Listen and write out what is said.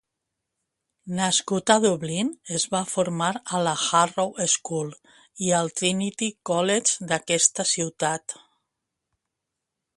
Nascut a Dublín, es va formar a la Harrow School i al Trinity College d'aquesta ciutat.